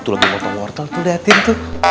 tuh lampu pemotong wortel tuh liatin tuh